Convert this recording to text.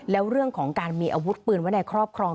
แล้วเรื่องของการมีอาวุธปืนไว้ในครอบครอง